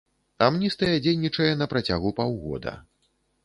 Амністыя дзейнічае на працягу паўгода.